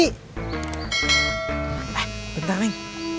eh bentar neng